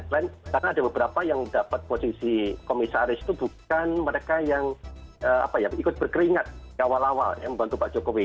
karena ada beberapa yang dapat posisi komisaris itu bukan mereka yang ikut berkeringat awal awal ya membantu pak jokowi